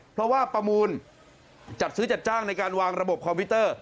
เพราะว่าประมูลจัดซื้อจัดจ้างในการวางระบบคอมพิวเตอร์